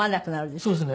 そうですね。